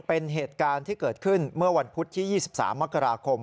เป็นเหตุการณ์ที่เกิดขึ้นเมื่อวันพุธที่๒๓มกราคม